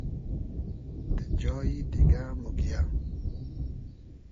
دہ جایی دیگۂ موگیۂ